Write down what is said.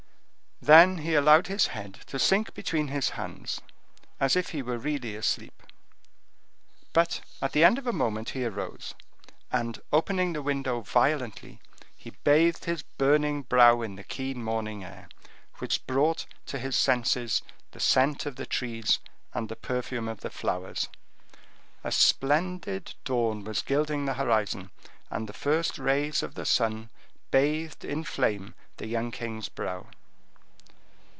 Then he allowed his head to sink between his hands, as if he were really asleep. But, at the end of a moment, he arose, and opening the window violently, he bathed his burning brow in the keen morning air, which brought to his senses the scent of the trees, and the perfume of the flowers. A splendid dawn was gilding the horizon, and the first rays of the sun bathed in flame the young king's brow.